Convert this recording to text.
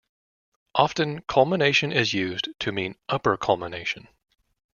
Often, culmination is used to mean upper culmination.